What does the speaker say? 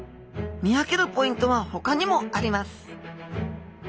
見分けるポイントはほかにもあります。